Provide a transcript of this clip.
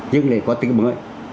nhưng lại có tính mới